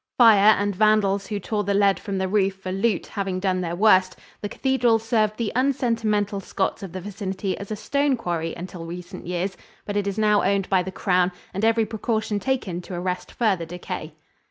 Fire, and vandals who tore the lead from the roof for loot having done their worst, the cathedral served the unsentimental Scots of the vicinity as a stone quarry until recent years, but it is now owned by the crown and every precaution taken to arrest further decay.